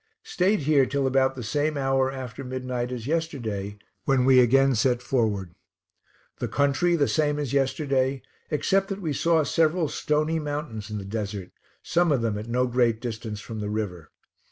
Stayed here till about the same hour after midnight as yesterday, when we again set forward. The country the same as yesterday, except that we saw several stony mountains in the desert, some of them at no great distance from the river.